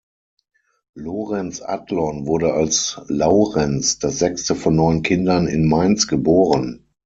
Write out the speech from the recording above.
Lorenz Adlon wurde als Laurenz, das sechste von neun Kindern, in Mainz geboren.